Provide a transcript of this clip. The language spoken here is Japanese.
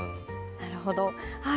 なるほどはい。